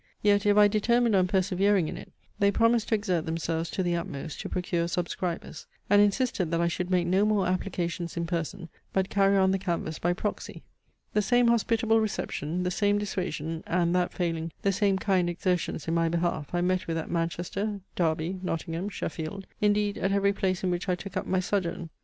Yet, if I determined on persevering in it, they promised to exert themselves to the utmost to procure subscribers, and insisted that I should make no more applications in person, but carry on the canvass by proxy. The same hospitable reception, the same dissuasion, and, that failing, the same kind exertions in my behalf, I met with at Manchester, Derby, Nottingham, Sheffield, indeed, at every place in which I took up my sojourn.